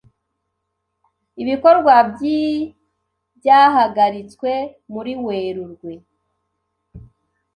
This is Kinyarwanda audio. ibikorwa by’byahagaritswe muri Werurwe